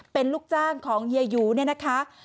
เป็นลูกจ้างของเฮียหยูเนี่ยนะคะ